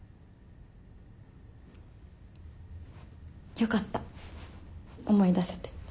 よかった思い出せて。